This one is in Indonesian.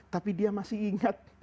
tapi dia masih ingat